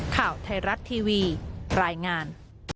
ข่าวไทยรัฐทีวีรายงาน